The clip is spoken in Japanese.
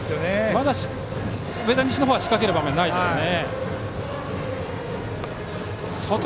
まだ上田西は仕掛ける場面ないですね。